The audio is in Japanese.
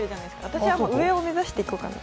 私は上を目指していこうかなと。